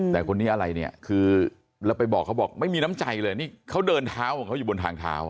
แต่คนนี้อะไรเนี่ยคือเราไปบอกเขาบอกไม่มีน้ำใจเลยนี่เขาเดินเท้าของเขาอยู่บนทางเท้า